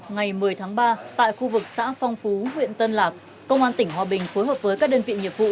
ngày một mươi tháng ba tại khu vực xã phong phú huyện tân lạc công an tỉnh hòa bình phối hợp với các đơn vị nghiệp vụ